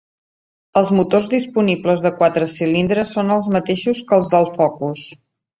Els motors disponibles de quatre cilindres són els mateixos que els del Focus.